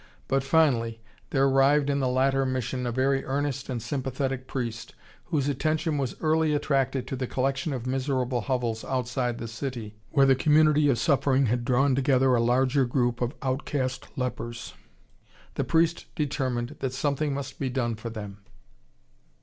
But finally, there arrived in the latter mission a very earnest and sympathetic priest, whose attention was early attracted to the collection of miserable hovels outside the city, where the community of suffering had drawn together a larger group of outcast lepers. The priest determined that something must be done for them....